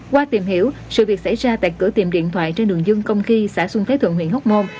qua tìm hiểu sự việc xảy ra tại cửa tiệm điện thoại trên đường dương công kỳ xã xuân thế thượng huyện hóc môn